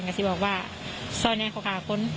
ซ่อนแดงเขา้ากลางที่ค้าคน